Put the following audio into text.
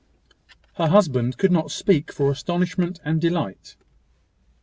Her husband could not speak for astonishment and delight.